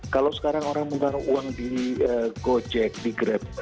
kalau sekarang orang menggaruh uang di gojek di grab